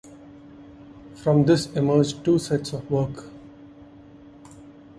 From this emerged two sets of work.